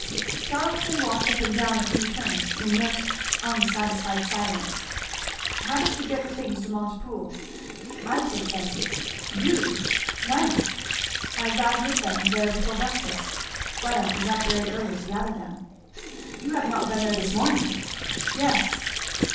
Charlton walked up and down a few turns in most unsatisfied silence. "How does she get the things to Montepoole?" "I take them." "You! When?" "I ride with them there before breakfast. Fleda is up very early to gather them." "You have not been there this morning?" "Yes."